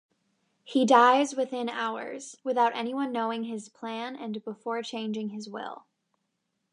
He dies within hours, without anyone knowing his plan and before changing his will.